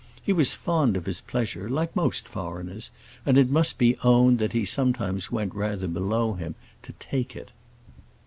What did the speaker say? He was fond of his pleasure, like most foreigners, and it must be owned that he sometimes went rather below him to take it.